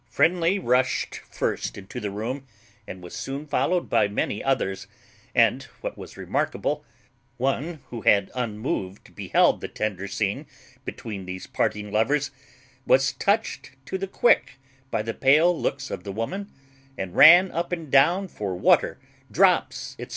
Friendly rushed first into the room, and was soon followed by many others, and, what was remarkable, one who had unmoved beheld the tender scene between these parting lovers was touched to the quick by the pale looks of the woman, and ran up and down for water, drops, &c.